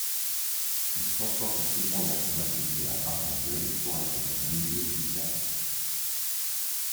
Il transporta cependant son atelier à Argenteuil pour être dans un milieu plus calme.